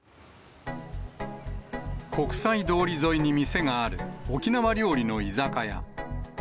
国際通り沿いに店がある、沖縄料理の居酒屋。